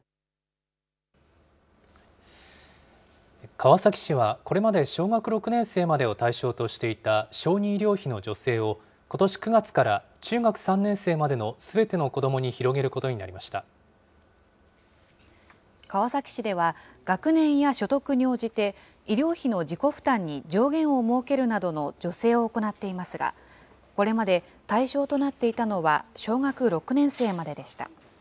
川崎市は、これまで小学６年生までを対象としていた小児医療費の助成を、ことし９月から中学３年生までのすべての子どもに広げることにな川崎市では、学年や所得に応じて、医療費の自己負担に上限を設けるなどの助成を行っていますが、これまで、対象となっていたのは小学６年生まででした。